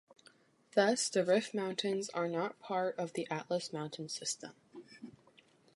Thus the Rif mountains are not part of the Atlas Mountain System.